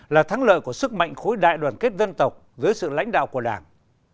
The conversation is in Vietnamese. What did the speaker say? là thắng lợi của sức mạnh khối đại đoàn kết dân tộc dưới sự lãnh đạo của đảng